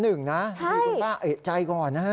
คุณป้าเอกใจก่อนนะ